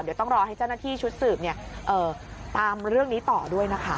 เดี๋ยวต้องรอให้เจ้าหน้าที่ชุดสืบตามเรื่องนี้ต่อด้วยนะคะ